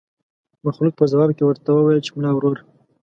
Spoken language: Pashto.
مخلوق په ځواب کې ورته وويل چې ملا وروره.